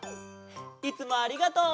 いつもありがとう！